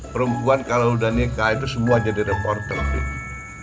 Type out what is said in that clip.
perempuan kalau udah nikah itu semua jadi reporter gitu